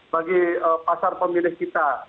bagi pasar pemilih kita